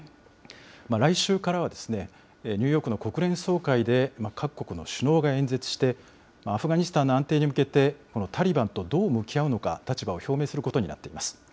来週からは、ニューヨークの国連総会で各国の首脳が演説して、アフガニスタンの安定に向けて、タリバンとどう向き合うのか、立場を表明することになっています。